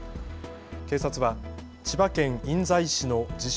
警察は千葉県印西市の自称